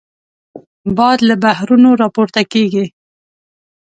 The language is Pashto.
باد له بحرونو راپورته کېږي